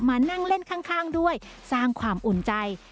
มานั่งเล่นข้างด้วยสร้างความอุ่นใจ